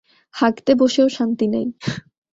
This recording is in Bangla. হাগতে বসেও শান্তি নাই!